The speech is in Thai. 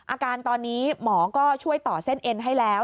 อาการตอนนี้หมอก็ช่วยต่อเส้นเอ็นให้แล้ว